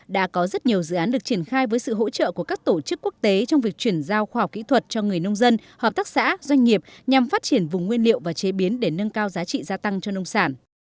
đã có rất nhiều dự án được triển khai với sự hỗ trợ của các tổ chức quốc tế trong việc chuyển giao khoa học kỹ thuật cho người nông dân hợp tác xã doanh nghiệp nhằm phát triển vùng nguyên liệu và chế biến để nâng cao giá trị gia tăng cho nông sản